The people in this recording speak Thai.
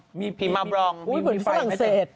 เหมือนสรังเศษ